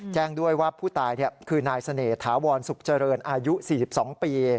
แจ้งด้วยว่าผู้ตายคือนายเสน่หาวรสุขเจริญอายุ๔๒ปี